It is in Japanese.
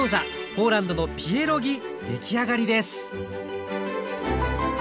ポーランドのピエロギ出来上がりです